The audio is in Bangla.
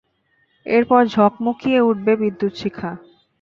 এরপর ঝকমকিয়ে উঠেব বিদ্যুতশিখা।